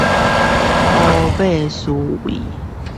黑馬思維